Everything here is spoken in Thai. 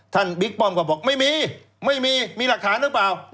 บิ๊กป้อมก็บอกไม่มีไม่มีมีหลักฐานหรือเปล่า